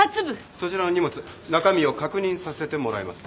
そちらの荷物中身を確認させてもらいます。